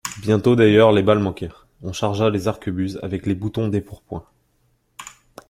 Bientôt d'ailleurs les balles manquèrent; on chargea les arquebuses avec les boutons des pourpoints.